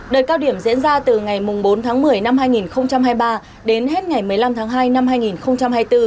đợt cao điểm diễn ra từ ngày bốn tháng một mươi năm hai nghìn hai mươi ba đến hết ngày một mươi năm tháng hai năm hai nghìn hai mươi bốn